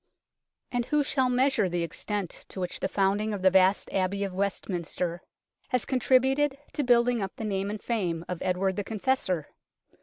And who shall measure the extent to which the founding of the vast Abbey of Westminster has contributed to building up the name and fame of Edward the Confessor